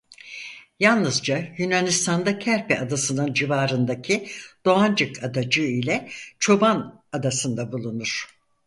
Yalnızca Yunanistan'da Kerpe adasının civarındaki Doğancık adacığı ile Çoban Adasında bulunur.